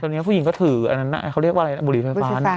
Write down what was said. ตอนนี้ผู้หญิงก็ถืออันนั้นเขาเรียกว่าอะไรบุหรี่ไฟฟ้า